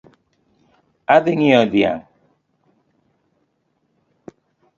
Adhi nyieo dhiang'